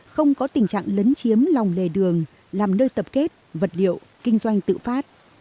không có tình trạng lấn chiếm lòng lề đường làm nơi tập kết vật liệu kinh doanh tự phát